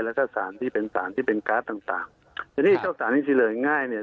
แล้วก็สารที่เป็นสารที่เป็นการ์ดต่างต่างอย่างนี้เท่าสารอินทรีย์เหลือง่ายเนี่ย